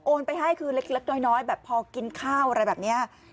ไปให้คือเล็กน้อยแบบพอกินข้าวอะไรแบบนี้